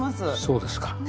そうですか。